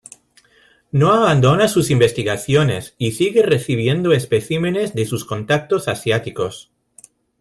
No abandona sus investigaciones, y sigue recibiendo especímenes de sus contactos asiáticos.